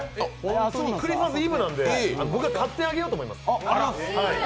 クリスマスイブなんで、僕が買ってあげようと思います。